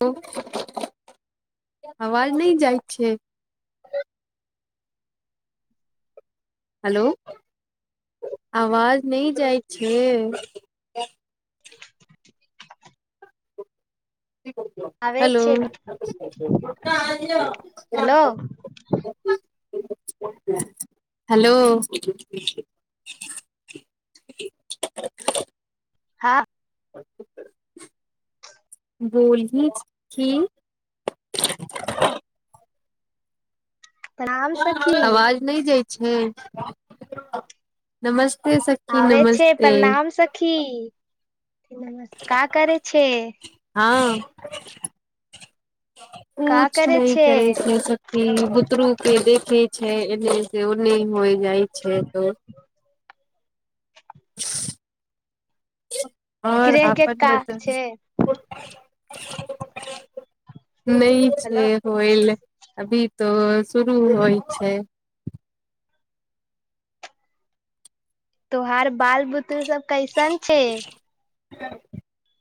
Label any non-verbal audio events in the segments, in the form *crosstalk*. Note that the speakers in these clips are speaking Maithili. त आवाज नहि जाइ छै? न हेलो आवाज नहि जाइ छै? आबै हेलो छै हेलो हैेलो हँ बोलही सखी त। सखी आवाज नहि जा। *unintelligible* नमस्ते।। सखी हे छै नमस्ते परणाम सखी। का करे छै। *unintelligible* का कुछ करे नहि छै करै छियै सखी बुतरू के देखे छै एने से ओने होइ जाइ छै त आओर गृह के अपन काज छै बता नहि छै हेलो होल अभी। त शुरू होइ छै। त्यहार बाल बुत्र सब। कैसन छै। *unintelligible*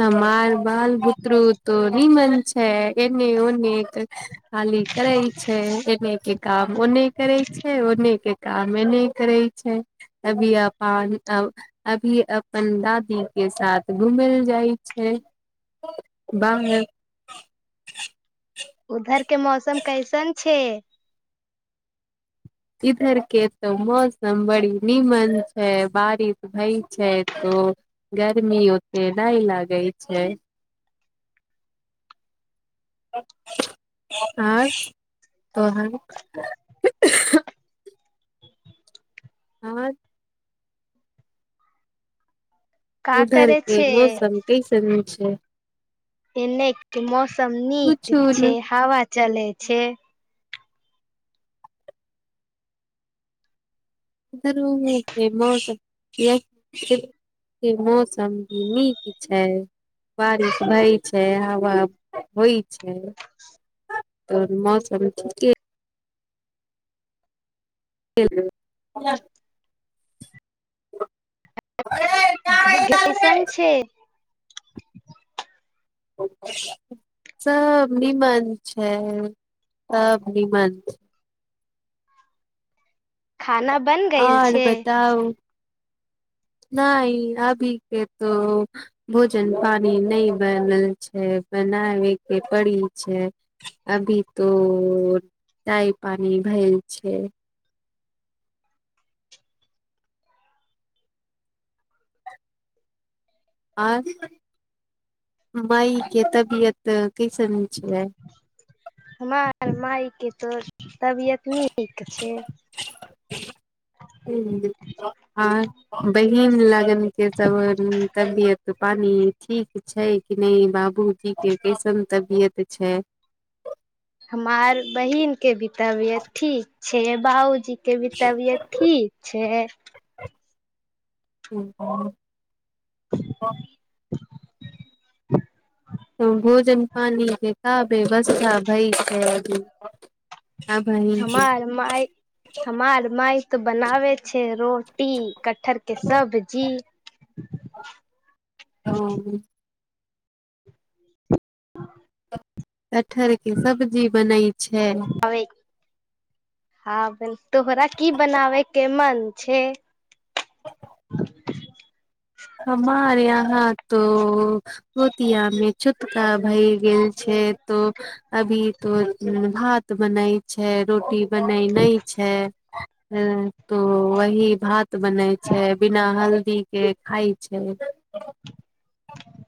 हमर बाल बुतरू त निमन छै एने ओने। खाली करै छै एने के काम ओने करै छै ओने के। कामे नहि करे छै अभी अपन अभी अपन दादी के साथ घूमे। जाइ छै बाहर। उधर। के मौसम कैसन। छ। इधर के तऽ मौसम बड़ी निीमन छै बारिश भई छै तो गर्मी ओते नहि लागै छै। आ तहन। *unintelligible* हँ। का करे उधरके छै मौसम कै सम। ह। एने मौसम नीक कुछो न छै हवा चले छै। इरोह के मौसम ये के मौसम भी नीक छै बारिश होइ छै हवा होइ छै त मौसम ठीके। ह। शशन छै। सब निमन छै सब निमन छै। खाना बन गेल और छै बताऊ। नहि अभी के तो भोजन पानि नहि बनल छै बनाबै के पड़ी छै अभी तो टााय पानी भेल छै। आर मईके तबियत कैसन हो छै। हम मायके त। आ बहिन लगन केस तबियत। पानी ठीक छै कि नहि बाबूजी के कैसन तबियत छै। हमार बहिन। के बितबिय ठीक छै बाऊजी के भी तबियत ठीक छै। *unintelligible* *unintelligible* त भोजन पानी के क बेवसथा भई खय द हमार माय हमार माय तऽ बनाबे छै रोटी कटहर के सब्जी। ओ कठहर के सब्जी बनै छै। हँ ब तोहरा की बनाबय के मन छै हमार यहाँ तो पोतिया मे चुटका भय गेल छै तो अभी तो भ तऽ बनाय छै रोटी बनैना छै हँ तो वही भात बनै छै बिना हल्दी एक खइ छै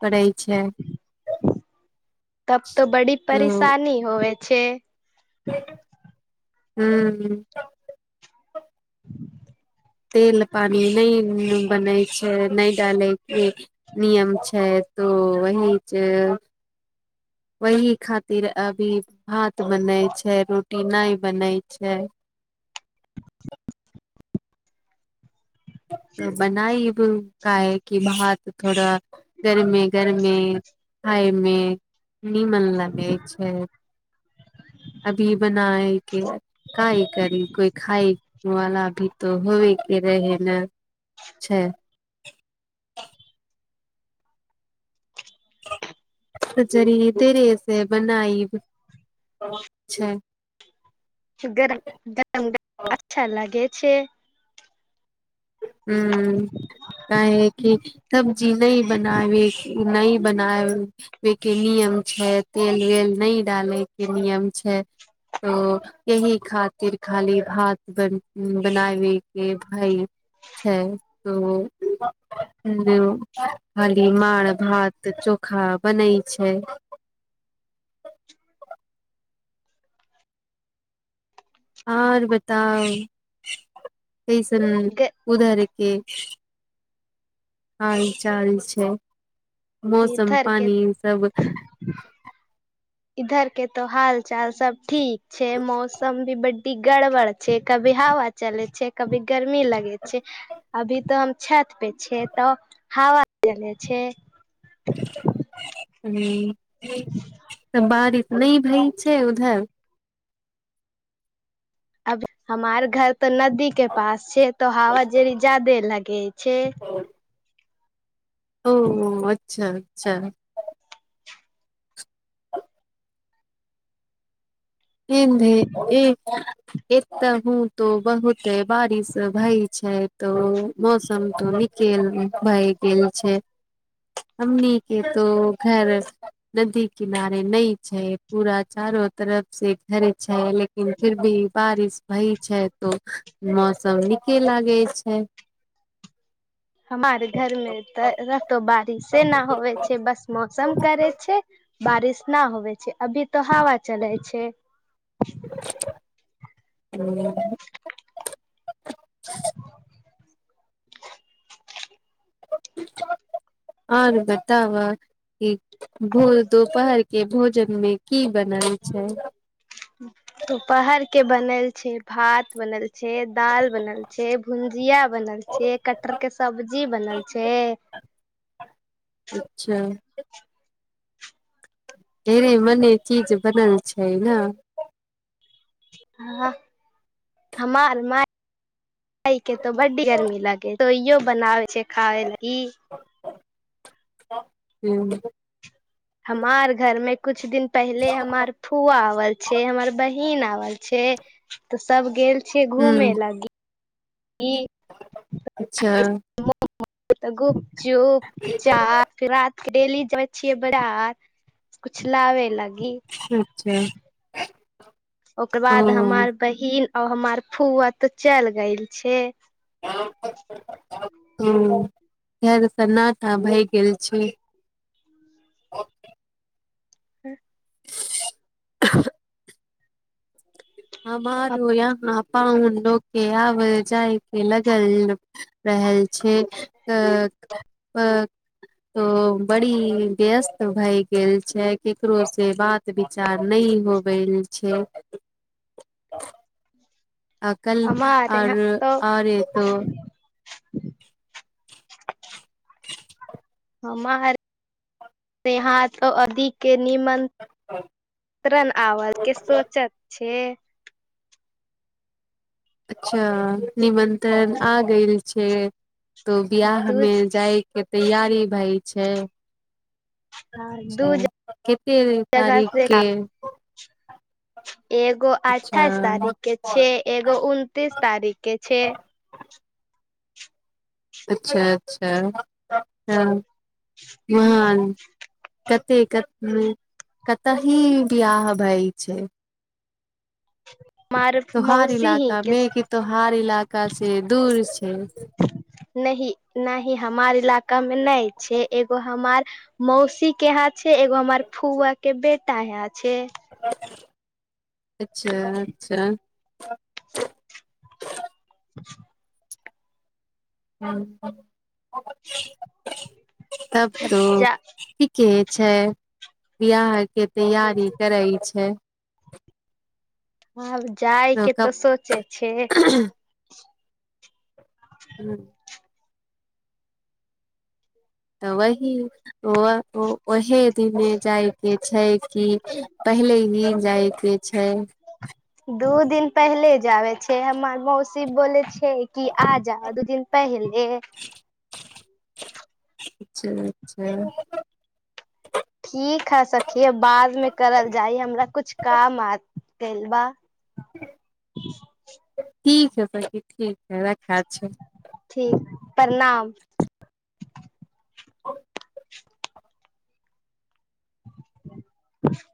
करै छै तब तो बड़ी परेशानी होव छै ट हँ पानी नहि बनै नहि डालै के नियम छै तो वही छै वही खातिर अभी भात बनै छै रोटी नहि बनै छै। त बनाइ काय कि भात थोड़ा गरमे गरमे खााय मे नीमन लगे छै अभी बनाय के काय करी कोइ खाय वालला भी तो होबे के रहे नहि छै आ ह जरी त रेस बनाई छै गरम गरम ग अच्छा लागे छै ह काह क सब्जी नहि बनाबी नहि बनाबे के नियम छै तेल वेल नहि डाले के नियम छै तऽ यही खातिर खाली भात बन बनाबे के भाय। ओ हालि मार भात चोखा बनै छै। आर बताउ। पसन उदार। ठीक हँ चाल छै मौसम इधर के पानि सब इधर के तो हाल चाल सब ठीक छै मौसम भी बड्डी गड़बड़ छै कभी हवा चले छै कभी गर्मी लगै छै अभी तऽ हम छत पे छिय तऽ हवा चले छै। *unintelligible* तऽ बारिश नहि भइ। छै उधर। अब हमार घर। तो नदी के पास छै तो हवा जेड़ी जादे लगे। *unintelligible* छै। ओ। *unintelligible* अचछा अच्छा। े ए तऽ ह तो बहुते बारिश भई छै तो मौसम तो निकेल भए गेल छै हमने तो घर नदी किनारे नहि छै पूरा चारो तरफ। से घरे छै लेकिन फिर भी बारिश भई छै तो मौसम नीके लागै छै। हमारर घरमे तऽतो बारिशे नहि होे छै बस मौसम करै छै। बारिश न होइ छै अभी त हवा चलै छै। *unintelligible* *unintelligible* *unintelligible* आरू बताव एक। भोर दूपहर। के भोजनमे। की बनल छै। दुपहर के बनल छै भात बनल छै। छै दाल बनल छै भुजिया बनल छै कटर के सब्जी बनल छै। अच्छा। ढेरे मने चीज बनल छै ने। हँ हमारमे। के तो बड्डी गर्मी लगे। बनाबै। छै खावल घी। ह हमार घर में कुछ दिन पहले हमार फूआ आवल छै हमर बहिन आवल छै तऽ सब गेल छ घूमे ह लागि अच्छा तग। *unintelligible* चोप छाप। डेली जाबे छियै बड़ कुछ लाबे लागे। अच्छा ह ओकर बाद हमर बहिन आ हमार फूआ तऽ चल ग छै। ह इ सन्नाटा आ भए गेल छै ह *unintelligible* ह बर य पन लोक के आब जाय के लगल रहल छै, त बड़ी व्यस्त भए गेल छै केकरो से बात विचार नहि होवेल छै। *unintelligible* आ कल हमार आर यहाँ तो आरे तो हमार यहाँ त अधिक के निमंत्रण आव के सोचत छै से अच्छा निमंत्रण आ गल छै तो दू बिआहमेमे जायके तैयारी भाइ छै अचा दू कतेक जगह से तारीखके एगो अठाइस तारीख के छै, एगो उनतीस तारीख के छै। अच्छा अच्छा हँ महान कते कत कत ही बिियह भय छै। ह त्योहार इलाका मे कि त्योहार इलाका से दूर छै। नहि न ह हमार इलाकामे मे नहि छै एगो हमार मौसी के हाथ एगो हमर फुआ के बेट तय छ अच्छा अच्छा *unintelligible* *unintelligible* *unintelligible* तब तऽ जा ठीके छैय बियाहके तैयारी करै छैय। आब जाइके कब तऽ सोचे छैय। हूँ। तऽ वै दिन व वही दिने जायके छैय कि पहिले ही जायके छैय। दू दिन पहिले जाबे छैय हमर मौसी बोले छैय। ह कि आ जा दू दिन पहिलये *unintelligible* ठीक है सखि बाद मे करल जाइ हमरा कुछ काम आ गेलबा। *unintelligible* ठीक है सखी ठीक है रख अच्छा परणाम। *inaudible* *inaudible*